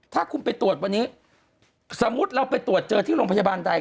ถ้าคุณไปตรวจวันนี้สมมุติเราไปตรวจเจอที่โรงพยาบาลใด